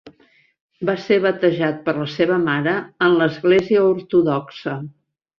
Va ser batejat per la seva mare en l'Església ortodoxa.